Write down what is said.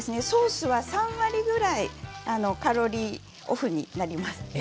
ソースは３割くらいカロリーオフになります。